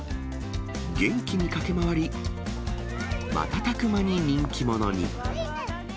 元気に駆け回り、瞬く間に人気者に。